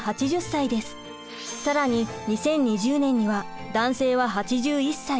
更に２０２０年には男性は８１歳。